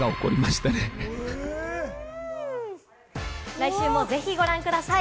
来週もぜひご覧ください。